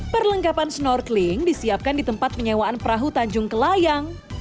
perlengkapan snorkeling disiapkan di tempat penyewaan perahu tanjung kelayang